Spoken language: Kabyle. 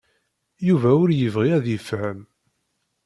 Yuba ur yebɣi ad yefhem.